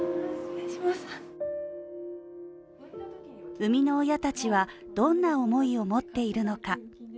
生みの親たちは、どんな思いを持っているのか。